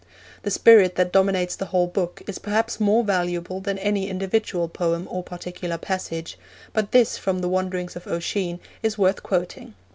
The spirit that dominates the whole book is perhaps more valuable than any individual poem or particular passage, but this from The Wanderings of Oisin is worth quoting.